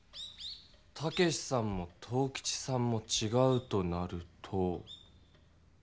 武さんも藤吉さんもちがうとなると。